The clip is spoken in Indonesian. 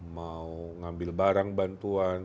mau ngambil barang bantuan